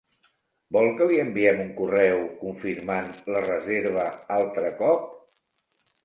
Vol que li enviem un correu confirmant la reserva altre cop?